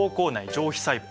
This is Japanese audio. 上皮細胞。